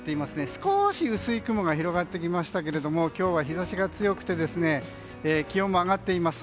少し薄い雲が広がってきましたけれども今日は、日差しが強くて気温も上がっています。